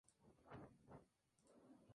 Actualmente vive entre Marruecos y España.